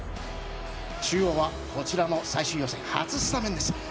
中央は、こちらも最終予選初スタメンです。